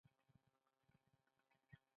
هیڅ به نه وي